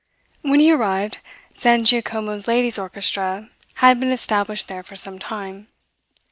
When he arrived, Zangiacomo's Ladies' Orchestra had been established there for some time.